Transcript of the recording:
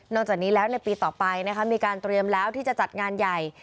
จากนี้แล้วในปีต่อไปนะคะมีการเตรียมแล้วที่จะจัดงานใหญ่